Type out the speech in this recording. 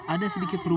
ada sedikit pengetahuan